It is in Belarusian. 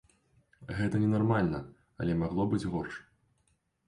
Гэта ненармальна, але магло быць горш.